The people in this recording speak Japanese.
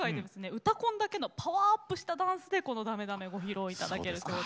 「うたコン」だけのパワーアップしたダンスでこの「ダメダメ」ご披露いただけるそうで。